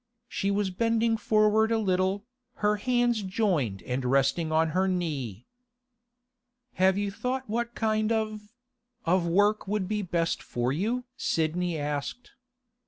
She was bending forward a little, her hands joined and resting on her knee. 'Have you thought what kind of—of work would be best for you?' Sidney asked.